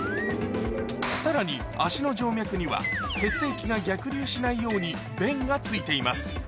さらに足の静脈には血液が逆流しないように弁が付いています